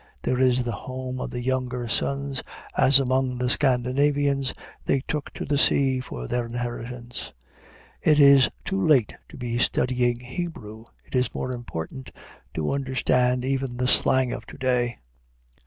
There is the home of the younger sons, as among the Scandinavians they took to the sea for their inheritance. It is too late to be studying Hebrew; it is more important to understand even the slang of to day.